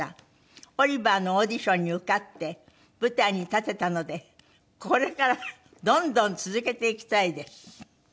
「『オリバー！』のオーディションに受かって舞台に立てたのでこれからどんどん続けていきたいです」